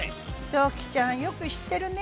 ドッキーちゃんよく知ってるね。